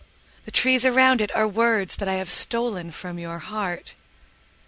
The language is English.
The trees around itAre words that I have stolen from your heart.